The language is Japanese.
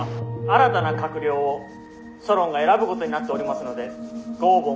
「新たな閣僚をソロンが選ぶことになっておりますのでご応募